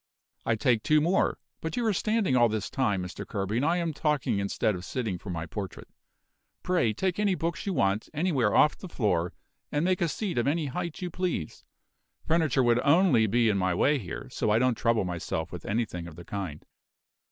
I take two more but you are standing all this time, Mr. Kerby; and I am talking instead of sitting for my portrait. Pray take any books you want, anywhere off the floor, and make a seat of any height you please. Furniture would only be in my way here, so I don't trouble myself with anything of the kind."